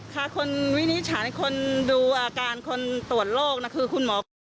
ค่ะคนวินิชาคนดูอาการคนตรวจโรคคือคุณหมอ